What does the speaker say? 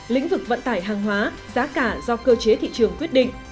lĩnh vực vận tải hàng hóa giá cả do cơ chế thị trường quyết định